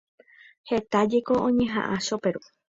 Heta jeko oñeha'ã Choperu.